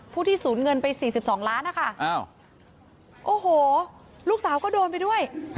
ผู้ที่สูญเงินไป๔๒ล้านนะคะโอ้โหลูกสาวก็โดนไปด้วย